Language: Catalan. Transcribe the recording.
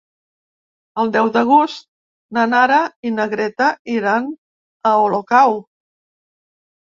El deu d'agost na Nara i na Greta iran a Olocau.